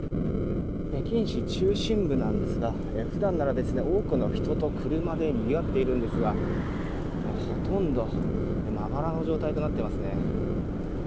北京市中心部なんですが普段なら多くの人と車でにぎわっているんですがほとんどまばらな状態となっていますね。